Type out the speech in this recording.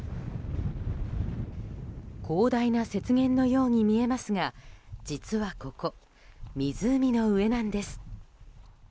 広大な雪原のように見えますが実はここ、湖の上なんです。